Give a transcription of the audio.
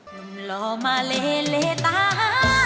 หนุ่มหล่อมาเลเลตาหาน้อง